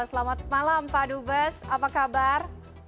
selamat malam pak dubes apa kabar